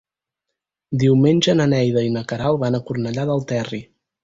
Diumenge na Neida i na Queralt van a Cornellà del Terri.